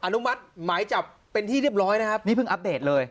อนุมัติหมายจับเป็นที่เรียบร้อยนะครับนี่เพิ่งอัปเดตเลย